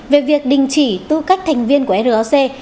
về việc đình chỉ tư cách thành viên của roc